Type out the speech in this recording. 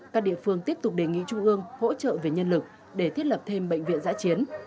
các địa phương tiếp tục đề nghị trung ương hỗ trợ về nhân lực để thiết lập thêm bệnh viện giã chiến